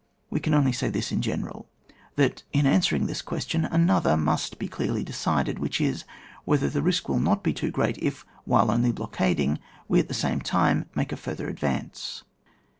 We can only say this in general, that in answer ing this question another must be clearly decided, which is, whether the risk will not be too great if, while only blockading, we at the same time make a further ad vance.